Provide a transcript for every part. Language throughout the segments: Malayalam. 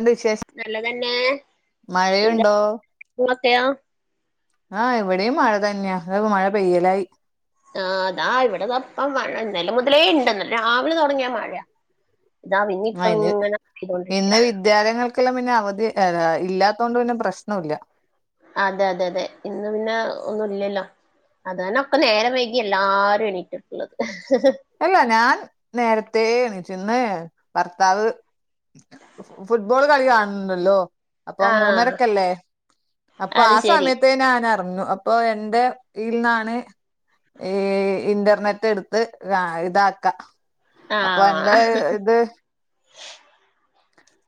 ണ്ട് വിശേഷ നല്ലതെന്നെ. മഴയുണ്ടോ. [unintelligible] ആഹ് ഇവിടെയും മഴ തെന്നയാ അത് മഴ പെയ്യലായി. ആ ദാ ഇവിടെ ദാ ഇപ്പ മഴ ഇന്നലെ മുതലേ ഇണ്ടെന്ന് രാവിലെ തുടങ്ങിയ മഴ ദാം ഇനിപ്പ ഇങ്ങനെ പെയ്തൊണ്ടിരിക്കാ. വിദ്യാലയങ്ങൾ ല്ലം പിന്നെ അവധി എലാ ഇല്ലാത്തൊണ്ട് പിന്നെ പ്രശ്ന ഇല്ല. അതെ അതെ അതെ ഇന്ന് പിന്നെ ഒന്നുല്ലല്ലോ. അതന്നാ അപ്പ നേരം വൈകി എല്ലാരും എണീറ്റിട്ടുള്ളത്. ഇല്ല ഞാൻ നേരത്തേ എണീച്ച് ഇന്ന് ഭർത്താവ് ഫുട്ബോള് കളി കാണണണ്ടല്ലോ. അപ്പൊ ആ മൂന്നരക്കല്ലേ അപ്പൊ അത് ആ ശരി സമയത്തെ നാനെറങ്ങു അ ഇപ്പൊ എന്റെ ഇൽന്നാണ് ങ് ഇന്റർനെറ്റ് എടുത്ത് ഇതാക്ക ആ അപ്പൊ എന്റെ ഇത്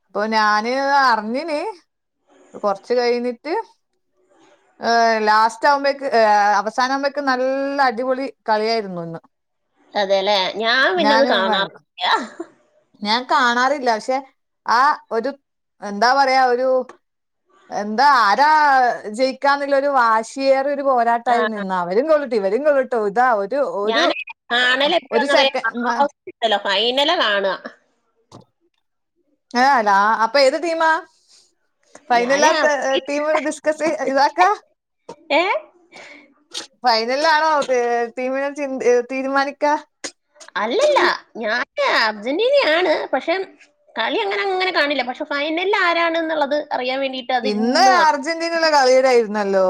ഇപ്പൊ ഞാന് അറിഞ്ഞ്ന് കൊറച്ച് കഴിഞ്ഞിട്ട് [inaudible] ഏഹ് ലാസ്റ്റ് ആവുമ്പേക്ക് അവസാന ആവുമ്പേക്ക് നല്ല അടിപൊളി കളിയായിരുന്നു ഇന്ന് അതേലെ ഞാൻ പിന്നത് ഞാനും കാണാ കണ്ടു [unintelligible] ഞാൻ കാണാറില്ല പഷെ ആ ഒരു എന്താ പറയാ ഒരു എന്താ ആരാ ജയിക്കാന്നുള്ളൊരു വാശിയേറി ഒരു ആ പോരാട്ടായിരു നിന്നാ അവരും ഗോളുട്ടു ഇവരും ഗോളുട്ടു ഇതാ ഒരു ഒരു ഞാൻ ഒരു സെക്കൻ ല ഫൈനലാ കാണാ [unintelligible] അപ്പൊ ഏത് ടീമാ. ഫൈനലാ ഞാന് ത ടീമ് ഡിസ്കസ് ഇതാക്ക ഏ ഫൈനലിലാണോ ടീമിനെ ച് തീരുമാനിക്ക അല്ലെല്ല ഞാന് അർജന്റീനയാണ് പഷെ കളി അങ്ങനെ അങ്ങനെ കാണില്ല പഷെ ഫൈനൽല് ആരാണെന്നുള്ളത് അറിയാൻ വേണ്ടി ഇന്ന് അർജന്റീനളെ കളീടെ ആയിരുയിരുന്നല്ലോ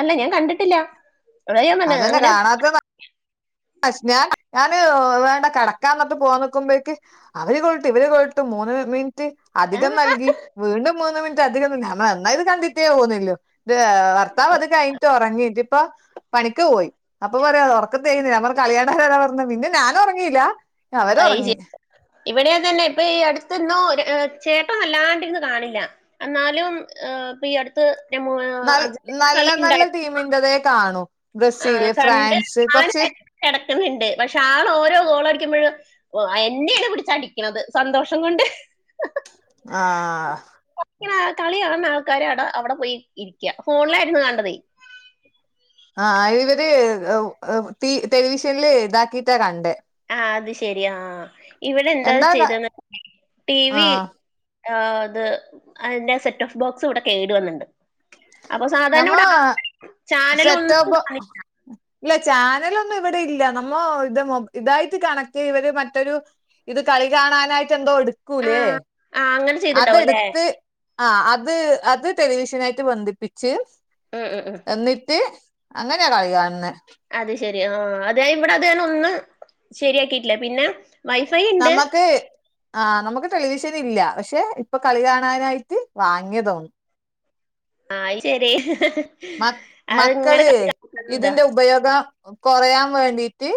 അല്ല ഞാൻ കണ്ടിട്ടില്ല [unintelligible] പറഞ്ഞ അങ്ങന സ്നാ ഞാന് വേണ്ട കെടക്കാ ന്നിട്ട് പോകാനിക്കുമ്പോഴേക്ക് അവര് ഗോൾട്ട് ഇവര് ഗോൾട്ട് മൂന്ന് മിൻറ്റ് അധികം ആഹ് നൽകി വീണ്ടും മൂന്ന് മിനിറ്റ് അധികം നിന്ന് [unintelligible] എന്നാ ഇത് കണ്ടിട്ടേ പോവ്ന്നെള്ളു. ത് ഭർത്താവ് അത് കഴിഞ്ഞിട്ടൊറങ്ങി ഇതിപ്പൊ. പണിക്ക് പോയി അപ്പൊ പറയാന്ന് ഒറക്ക തേയുന്നില്ല ഞാ പറഞ്ഞ് കളി കാണാനാരാ പറഞ്ഞത് പിന്നെ ഞാന് ഉറങ്ങിയിലാ അയിശെ ഇവിടെ അതെന്നെ ഇപ്പൊ ഈ അടുത്തെന്നോ ചേട്ടൻ വല്ലാണ്ടിരുന്ന് കാണില്ല എന്നാലും ഇപ്പീ അടുത്ത് [unintelligible] മിൻ്റെതേ കാണൂ ബ്രസീല് ഫ്രാൻസ് കൊർച്ച് കെടക്കണണ്ട് പക്ഷെ ആള് ഓരോ ഗോളടിക്കുമ്പോഴും ഓ എന്നെയാണ് പിടിച്ച് അടിക്കണത് സന്തോഷം കൊണ്ട് ആഹ് കളിക്കണ കളികാണുന്ന ആൾക്കാര് അടെ അവിടെ പോയി ഇരിക്ക ഫോണിലായിരുന്നു കാണ്ടതേ ആഹ് ആഹ് ഇവര് ടെലിവിഷനില് ഇതാക്കിട്ടാ കണ്ടേ ആഹ് അത് ശെരിയാ ആഹ് ഇവിടെ എന്താ ചെയ്തെ [unintelligible] ടി വി ആ ആ അത് അതിന്റെ സെറ്റ് ഓഫ് ബോക്സ് ഇവിടെ കേട് വന്ന്ണ്ട് അപ്പൊ നമ്മ സാധാരണവിടെ ആ [unintelligible] ചാനല് ഒന്നും സെറ്റോബോ കാണില്ല ഇല്ല ചാനലൊന്നും ഇവിടെ ഇല്ല നമ്മ ഇത് മൊ ഇതായിട്ട് കണക്ട് ഇവര് മറ്റൊരു ഇത് കളി കാണാനായിട്ട് എന്തോ എടുക്കൂലേ ആഹ് ആഹ് അങ്ങനെ ചെയ്തിണ്ടാവും അല്ലേ അതെടുത്ത് ആഹ് അത് അത് ടെലിവിഷനായിട്ട് ബന്ധിപ്പിച്ച് [unintelligible] എന്നിട്ട് അങ്ങനെയാ കളി കാണണേ അത് ശെരി ആ അതാ ഇവിടെ അതന്ന ഒന്ന് ശരിയാക്കിട്ടില്ല പിന്നെ വൈഫൈ ഇണ്ട് നമ്മക്ക് ആഹ് നമുക്ക് ടെലിവിഷൻ ഇല്ല പക്ഷെ ഇപ്പൊ കളി കാണാനായിട്ട് വാങ്ങിയതോ ആയ് ശരി മ അത്ങ്ങനെ മക്കള് കണ്ട് ഇതാ ഇതിന്റെ ഉപയോഗം കുറയാൻ വേണ്ടിട്ട്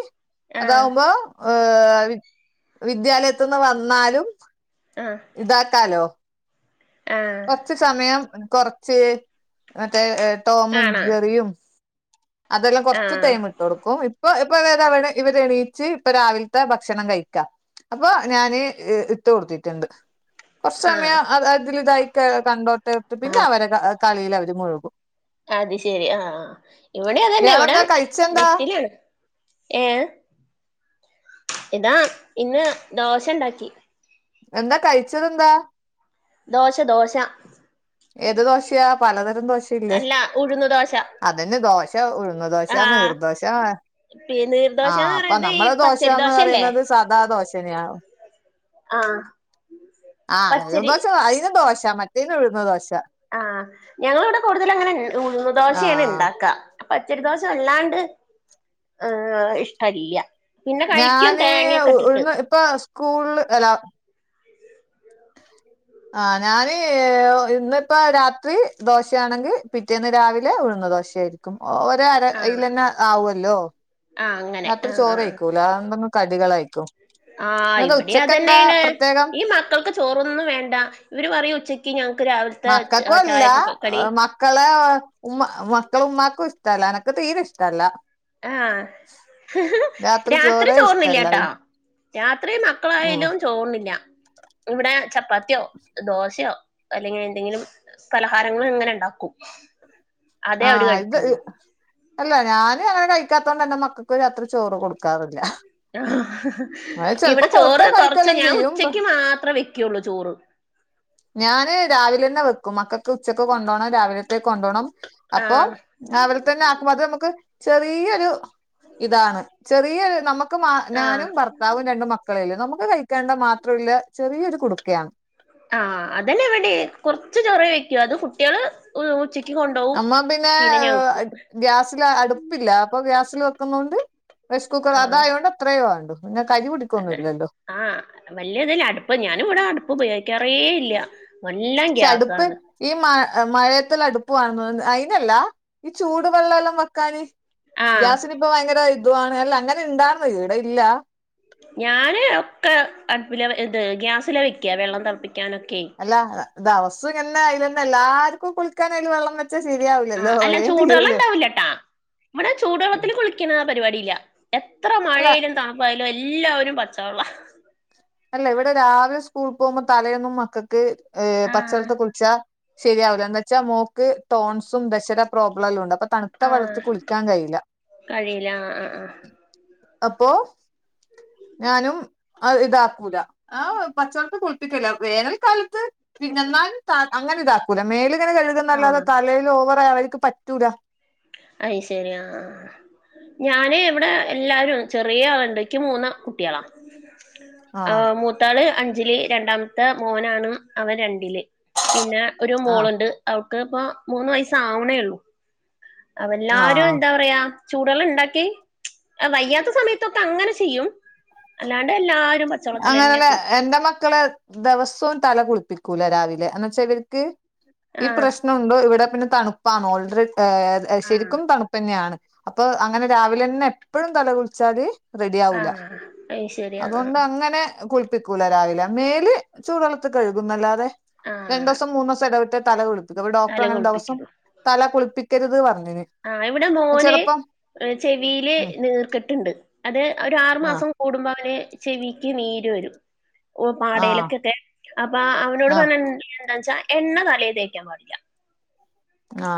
ആഹ് അതാവുമ്പോ ഏ വി വിദ്യാലയത്തുന്ന് വന്നാലും ആഹ് ഇതാക്കാലോ ആഹ് കുറച്ച് സമയം കൊറച്ച് മറ്റേ ടോമും കാണാ ജെറിയും അതെല്ലാം കുറച്ച് ആഹ് ടൈമ് എ കൊടുക്കും ഇപ്പൊ ഇപ്പൊ വരെ അവര് ഇവര് എണീച്ച് ഇപ്പൊ രാവിലത്തെ ഭക്ഷണം കഴിക്കാം അപ്പൊ ഞാന് ഇട്ട് കൊടുത്തിട്ടുണ്ട് കുറച്ചു ആഹ് സമയം അ അതില് ഇതായി കണ്ടോട്ട് ഇട്ട് പിന്നെ ആഹ് അവര് കളില് അവര് മുഴുകും അത് ശെരി ആ ഇവിടെ അതന്നെ ഇവിടെ ഇയാളെന്താ കഴിച്ചെന്താ നെറ്റിലാണ് ഏഹ് ഇതാ ഇന്ന് ദോശ ഇണ്ടാക്കി എന്താ കഴിച്ചത് എന്താ ദോശ ദോശ ഏത് ദോശയാ പലതരം ദോശയില്ലേ അല്ല ഉഴുന്ന് ദോശ അതന്നെ ദോശ ദേശ ഉഴുന്ന് ദോശ ആ നീർദോശ ആഹ് പി നീർദോശന്ന് അപ്പൊ പറയണത് ഈ നമ്മള് പച്ചരി ദോശന്ന് ദോശയല്ലേ പറയുന്നത് സദാ ദോശനെയാ ആ ആ പച്ചരി നിർദോശ അതിനും ദോശ മറ്റേതു ഉഴുന്ന് ദോശ ആഹ് ഞങ്ങള് ഇവിടെ കൂടുതൽ അങ്ങനെ ഉഴുന്ന് ആ ദോശയാണ് ഇണ്ടാക്ക പച്ചരി ദോശ വല്ലാണ്ട് ഹാ ഇഷ്ട്ടം ഇല്ല ഞാന് ഉഴുന്ന് ഇപ്പൊ സ്കൂള് അല്ലാ ആ ഞാന് ഇന്നിപ്പ രാത്രി ദോശയാണെങ്കിൽ പിറ്റേന്ന് രാവിലെ ഉഴുന്നു ദോശയായിരി ക്കും ഒര് ആ അരയിൽ തന്നെ ആവല്ലോ ആ അങ്ങനെ ആ രാത്രി ചോറ് കഴിക്കും ല്ലാന്ന് കടികളായിക്കോ ആഹ് ഇവിടെ അതന്നെയാണ് പ്രത്യേകം ഈ മക്കൾക്ക് ചോറൊന്നും വേണ്ട ഇവര് പറയും ഉച്ച എക്ക് ഞങ്ങൾക്ക് രാവിലത്തെ മക്കൾക്കും ചായ അല്ല കടി മക്കളെ ഉമ്മ മക്കള് ഉമ്മാക്കും ഇഷ്ടല്ല എനക്ക് തീരെ ഇഷ്ടമല്ല ആഹ് രാത്രി ചോറേ ഇഷ്ടല്ല ചോറുണ്ണില്ലട്ടോ രാത്രി ഉം മക്കളായാലും ചോറുണ്ണില്ല ഇവിടെ ചപ്പാത്തിയോ ദോശയോ അല്ലെങ്കിൽ എന്തെങ്കിലും പലഹാരങ്ങളും ഇങ്ങനെ ഉണ്ടാക്കും അതെ ആ അവര് ഇത് കഴിക്കുള്ളൂ അല്ല ഞാനും അങ്ങനെ കഴിക്കാത്തോണ്ട് എന്റെ മക്കൾക്ക് രാത്രി ചോറ് കൊടുക്കാറില്ല ആ അത് ഇവിടെ ചെലപ്പോ കൊടുത്താ ചോറ് കുറച്ച് കഴിക്കെല്ലാം ഞാൻ ചെയ്യും ഉച്ചക്ക് മാത്രേ വയ്ക്കുള്ളൂ ചോറ് ഞാന് രാവിലെന്നെ വെക്കും മക്കൾക്ക് ഉച്ചക്ക് കൊണ്ടൊണം രാവിലത്തേക്ക് കൊണ്ടോണം അപ്പൊ ആഹ് അവരെ തന്നെ ആക്കും അത് നമുക്ക് ചെറിയൊരു ഇതാണ് ചെറിയരു നമ്മ നക്ക് ആഹ് ഞാനും ഭർത്താവും രണ്ടും മക്കളെല്ലും നമുക്ക് കഴിക്കാണ്ട മാത്രല്ല ചെറിയൊരു കുടുക്കയാണ് ആഹ് അതന്നെ എവിടെ കൊറച്ച് ചൊറി വെക്കോ അത് കുട്ടികള് ഉച്ച അമ്മ പിന്നെ ഗ്യാസില് അടുപ്പില്ല അപ്പൊ ഗ്യാസിൽ വെക്കുന്നോണ്ട് റൈസ്കുക്കർ ആ അതായൊണ്ട് അത്രയോ ആണ്ടോ പിന്നെ കരി പിടിക്കൊന്നും തന്നെ ഇല്ലല്ലോ ആഹ് വല്ല ഇതല്ല അടുപ്പ് ഞാനും ഇവിടെ അടുപ്പ് ഉപയോഗിക്കാറേ ഇല്ല എല്ലാം പക്ഷെ അടുപ്പ് ഗ്യാസാണ് ഈ മ മഴയത്തുള്ള അടുപ്പ് വണ അയിനല്ലാ ഈ ചൂട് വെള്ളം എല്ലാം വെക്കാന് ആഹ് ഗ്യാസിന് ഇപ്പൊ ഭയങ്കര ഇതുആണ് അല്ല അങ്ങനെ ഇണ്ടാർന്ന് ഈടെ ഇല്ല ഞാന് ഒക്കെ അടുപ്പില ഇത് ഗ്യാസില വെക്ക വെള്ളം തിളപ്പിക്കാനൊക്കെ അല്ല ഇത് അവസം ഇങ്ങനെ അതിൽന്നെ എല്ലാർക്കും കുളിക്കാനൻ അയില് വെള്ളം വെച്ചാ ശരിയാവ ആ അല്ല ചൂടു വെള്ളം ഉണ്ടാവൂലട്ടെ ഇവിടെ ചൂടുവെള്ളത്തിൽ കുളിക്കണ പരിപാടിയില്ല എത്ര അല്ല മഴയാലും തണു യാലും എല്ലാവരും പച്ചവെള്ള അല്ല ഇവിടെ രാവിലെ സ്കൂളിൽ പോകുമ്പോ തലയൊന്നും മക്കൾക്ക് ഏ ആഹ് പച്ചവെള്ളത്തിൽ കുളിച്ച ശരിയാവില്ല എന്ന് വെച്ചാൽ മോൾക്ക് ടോൺസും ദഷേടെ പ്രോബ്ലം എല്ലാം ഉണ്ട് അപ്പ തണു തണുത്ത ആഹ് വെള്ളത്തിൽ കുളിക്കാൻ കഴിയില്ല കഴിയില്ല ആഹ് ആഹ് അപ്പോ ഞാനും ഇതാക്കൂല ആ പച്ചവെള്ളതി കുളി വേനൽക്കാലത്ത് എന്നാലും അങ്ങനെ ഇതാക്കൂല മേല് ഇങ്ങനെ കഴുകുന്നല്ലാതെ ആഹ് തലേ ഓവറ ആയാ അവർക്ക് പറ്റൂല അയി ശരി ആ ഞാന് ഇവിടെ എല്ലാരും ചെറിയ ആളുണ്ട് എനിക്ക് മൂന്ന് കുട്ടികളാ ആ ആഹ് മു ത്താള് അഞ്ചില് രണ്ടാമത്തെ മോനാണ് അവൻ രണ്ടില് പിന്നെ ഒരു ആഹ് മോളുണ്ട് അവക്ക് ഇപ്പ മൂന്ന് വയസ ആവണേള്ളൂ അവ എല്ലാരും ആഹ് എന്താ പറയാ ചൂടുള്ള ഉണ്ടാക്കി വയ്യാത്ത സമയത്തൊക്കെ അങ്ങനെ ചെയ്യും അല്ലാണ്ട് എല്ലാരും പച്ചവെള്ളത്തിലന്നെ അങ്ങനെയല്ല കുളിക്കും എന്റെ മക്കളെ ദിവസവും തല കുളിപ്പിക്കൂല രാവിലെ എന്ന വെച്ചാ ഇവർക്ക് ഈ ആഹ് പ്രശ്നമുണ്ട് ഇവിടെ പിന്നെ തണുപ്പാണ് ഓൾറെഡി ആഹ് ശരിക്കും തണുപ്പ് തന്നെയാണ് അപ്പൊ അങ്ങനെ രാവിലെ ന്നെ എപ്പഴും തല കുളിച്ചാല് റെഡി ആവൂല ആഹ് അത് ശരി ആഹ് അതുകൊണ്ട് ആഹ് അങ്ങനെ കുളിപ്പിക്കൂല രാവില്ല മേല് ചൂടുവെള്ളത്തി കഴുകുന്നല്ലാതെ രണ്ടു ആഹ് ദിവസം മൂന്ന് ദിവസം ഇടവിട്ട് തല കുളിപ്പിക്കു അപ്പൊ ഡോക്ടർ തല അങ്ങനെ ദിവസം കുളിപ്പിക്കും തല കുളിപ്പിക്കരുത് പറഞ്ഞിന് ആ ഇവിടെ മോന് ചെലപ്പം ചെവിൽ ഉം നീർക്കെട്ടുണ്ട് അത് ഒരു ആറു ആഹ് മാസം കൂടുമ്പോ അവന് ചെവിക്ക് നീര് വരും ഓ ആഹ് പാടയിലൊക്കൊക്കെ അപ്പൊ അവനോട് ആഹ് പറഞ്ഞ എന്താച്ചാ എണ്ണ തലെ തേക്കാൻ പാടില്ല ആ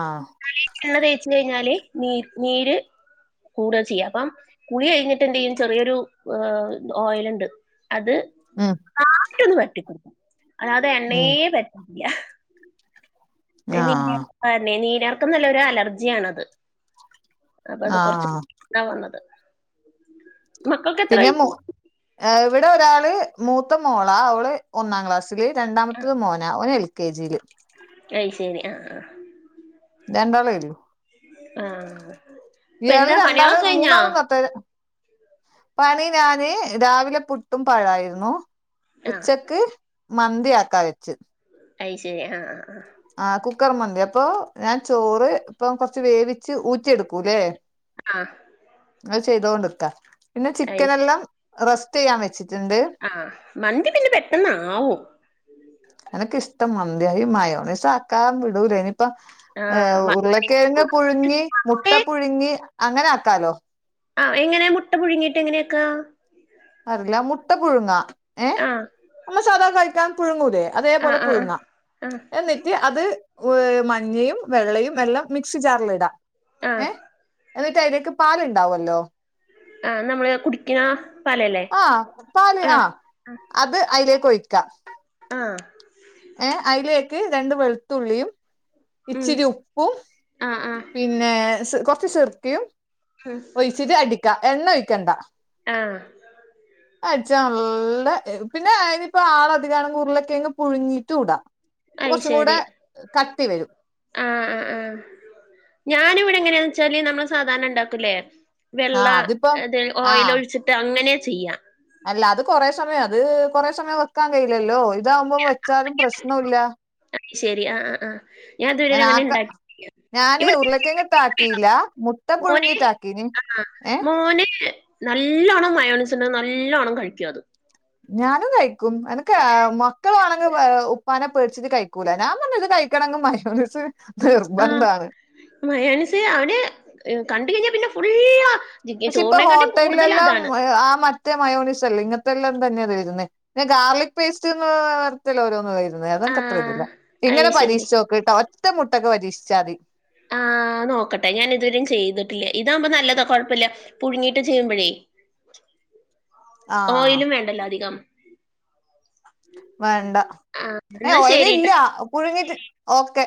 എണ്ണ തേച്ച് കഴിഞ്ഞാല് നീ നീര് കൂട ചെയ്യുക അപ്പം കുളി കഴിഞ്ഞിട്ട് എന്തേയ്യ്യും ചെറിയൊരു ഓയിൽ ണ്ട് അത് ഉം [unintelligible] ക്കണം അല്ലാതെ ഉം എണ്ണയെ പറ്റത്തില്ല ആഹ് നീന്നെ നീരെർക്കും നല്ലൊരു അലർജിയ ആണത് അപ്പൊ അത് കൊറച് ആഹ് എന്താ വന്നത് മക്കൾക്ക് എത്ര പിന്നെ മ വയസ്സ് ഇവിടെ ഒരാള് മൂത്ത മോള അവള് ഒന്നാം ക്ലാസ് സ്സില് രണ്ടാമത്തത് മോന അവൻ എൽ കെ ജിയില് അയ് ശരി ആഹ് ആഹ് രണ്ടാള് വരു ആ ആ ഇപ്പൊ യാള് എന്താ രണ്ടാള് പണികളൊക്കെ കഴിഞ്ഞാ മൂന്നാളും കത്ത പണി ഞാന് രാവിലെ പുട്ടും പഴായിരുന്നു ആ ഉച്ചക്ക് മന്തിയാക്കാ വെച് അയി ശരി ആഹ് ആഹ് ആഹ് ആ കുക്കർ മന്തി അപ്പൊ ഞാൻ ചോറ് ഇപ്പൊ കൊറച്ച് വേവിച്ച് ഊറ്റിയെടുക്കൂല്ലേ ആഹ് അത് ചെയ്തോണ്ട്ക്ക പിന്നെ അത് ശ- ചിക്കനെല്ലാം റസ്റ്റ് ചെയ്യാൻ വെച്ചിട്ട്ണ്ട് ആ മന്തി പിന്നെ പെട്ടെന്ന് ആവും എനിക്ക് ഇഷ്ടം മന്തിയാ മയോനൈസാക്കാൻ വിടൂല ഇനിയിപ്പം ഏ ആഹ് മ ഉരുൾ കെഴങ്ങ് പുഴുങ്ങി മുട്ട പുഴുങ്ങി അങ്ങനെ ആക്കാലോ ആ എങ്ങനെ മുട്ട പുഴുങ്ങീട്ട് എങ്ങനെയാക്കാ അറിയില്ല മുട്ട പുഴുങ്ങ ആഹ് നമ്മ സാദാ കയിക്കാൻ പുഴുങ്ങൂലേ അതേപോലെ ആഹ് ആഹ് പുഴുങ്ങാ ആഹ് റ്റ് അത് മഞ്ഞയും വെള്ളയും എല്ലാം മിക്സി ജാറിൽ ഇടാ ആഹ് ഏ എന്നിട്ട് അയിലേക്ക് പാല്ണ്ടാവല്ലോ ആ നമ്മള് കുടിക്ണ ആ പാല് ആ അത് അയിലേക്ക് ഒയിക്കാ ആഹ് ഏഹ് അയിലേക്ക് രണ്ട് വെളുത്തുള്ളിയും ഉം ഇച്ചിരി ഉപ്പും ആഹ് ആഹ് പിന്നേ സ് കുറച്ചു സുർക്കയും ഹ് ഒയിച്ചിട്ട് അടിക്ക എണ്ണ ഒയിക്കെണ്ട ആഹ് അടിച്ചാ നല്ല എ പിന്നെ അയിലിപ്പോ ആളധിക [unintelligible] ഉരുള കിഴങ് പുഴുങ്ങി ചൂട കുറച്ചും കൂടെ കട്ടി വരും ആ ആ ആ ഞാനിവിടെ എങ്ങനെയാണ് ന്ന് വെച്ചാല് നമ്മള് സാധാരണ ഉ ണ്ടാക്കൂല്ലേ വെള്ള ആഹ് അതിപ്പോ അത് ഓയിൽ ആഹ് ഒഴിച്ചിട്ട് അങ്ങനെ ചെയ്യാറ് അല്ല അത് കൊറേ സമയം അത് അല്ല അത് അത് കുറെ സമയം വെക്കാൻ കയില്ലല്ലോ ഇതാവുമ്പോൾ വെച്ചാലും പ്രശ്നവുമില്ല അ ശെരി ആ ഹ് ആഹ് ആ ഹ് ഞാനതു വരെ ഞാൻ അങ്ങനെഉ ആക്ക ണ്ടാക്കിയിട്ടില്ല [unintelligible] ഞാന് ഉരുളക്കെയങ്ങ്ട്ടാക്കിയില്ല മുട്ട മോന് പുഴുങ്ങിട്ടാക്കീന് ആഹ് ഏഹ മോന് നല്ലോണം മയോണിസിന് നല്ലോണം കഴിക്കു അത് ഞാനും കയിക്കും എനക്ക് [unintelligible] മക്കളാണെങ്കി ഏ ഉപ്പാനെ പേടിച്ചിട് കഴിക്കില്ല കുടനം നാ പറഞ്ഞത് കഴിക്കണങ്കൽ മയോണിസ് നിർബന്ധാണ് മയാണിസ് അവന് കണ്ട് കഴിഞ്ഞൽ പിന്നെ ഫുള്ളാ പക്ഷെ ഇപ്പൊ ഹോട്ടലിലെല്ലാം [unintelligible] പക്ഷേ ഇപ്പോ ഹോട്ടലിൽ എല്ലാം ആ മറ്റേ മയോനസല്ലേ ഇങ്ങത്തെല്ലാം തന്നെ [unintelligible] വരുന്നെ ഗാർലിക് പേസ്റ്റ്ന്ന് വരത്തില്ലോ ഓരോന്ന് വരുന്ന് ആ അതൊക്ക [unintelligible] [unintelligible] അത് ഇങ്ങനെ ശരി പരീക്ഷിച്ചോക്ട്ടൊ ഒറ്റ മുട്ടൊക്കെ പരീക്ഷിച്ചാമതി ആ നോക്കട്ടെ ഞാന് ഇതുവരിം ചെയ്തിട്ടില്ലേ ഇതാവുമ്പോ നല്ലതാ കൊഴപ്പല്ല പുഴുങ്ങിട്ട് ചെയ്യുമ്പൊഴേ ആഹ് ഓയിലും വേണ്ടല്ലോ അധികം വേണ്ട ആ ഏ എന്നാ ഓയിൽ ശരി ഇല്ല പുഴുങ്ങിട്ട് ഓക്കെ